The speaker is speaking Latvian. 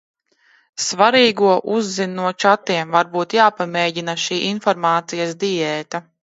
Svarīgo uzzin no čatiem. Varbūt jāpamēģina šī informācijas diēta.